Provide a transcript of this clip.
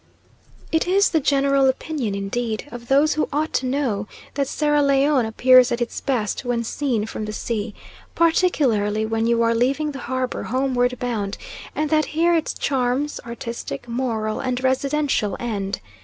It is the general opinion, indeed, of those who ought to know that Sierra Leone appears at its best when seen from the sea, particularly when you are leaving the harbour homeward bound; and that here its charms, artistic, moral, and residential, end.